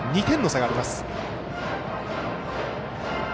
２点の差があります。